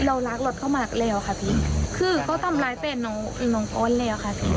เรารักรถเขามากแล้วค่ะพี่คือเขาทำร้ายแฟนน้องน้องออสแล้วค่ะพี่